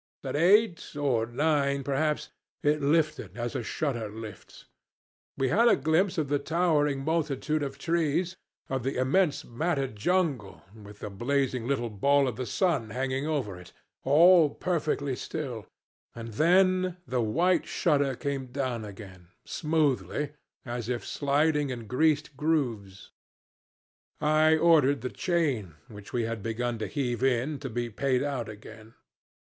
At eight or nine, perhaps, it lifted as a shutter lifts. We had a glimpse of the towering multitude of trees, of the immense matted jungle, with the blazing little ball of the sun hanging over it all perfectly still and then the white shutter came down again, smoothly, as if sliding in greased grooves. I ordered the chain, which we had begun to heave in, to be paid out again.